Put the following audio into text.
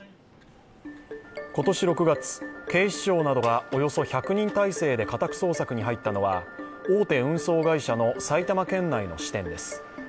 今年６月、警視庁などがおよそ１００人態勢で家宅捜索に入ったのは大手運送会社の埼玉県内の支店です。